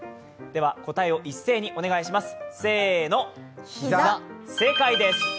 では答えを一斉にお願いします。